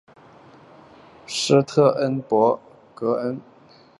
施特恩伯格宫。